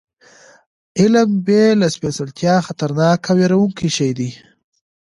علم بې له سپېڅلتیا خطرناک او وېروونکی شی دی.